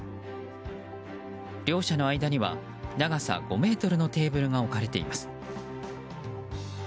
両者の間には長さ５ｍのテーブルが置かれています。